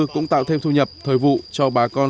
cũng tạo thêm thu nhập thời vụ cho bà con